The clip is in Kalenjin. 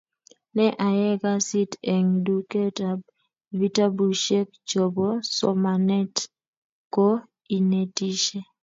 ne aye kasit eng duket ab vitabushek chobo somanet ko inetishe